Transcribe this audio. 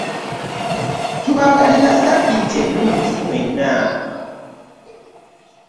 Tubaagaliza ssabbiiti ennungi mwenna.